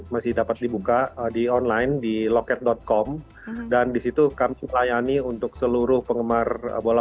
masih dapat dibuka di online di loket com dan disitu kami layani untuk seluruh penggemar bola